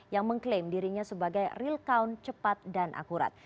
yang mengklaim dirinya sebagai real count cepat dan akurat